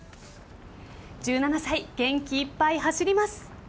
１７歳、元気いっぱい走ります。